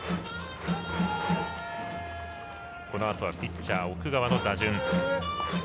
このあとはピッチャー奥川の打順。